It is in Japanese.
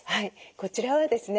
こちらはですね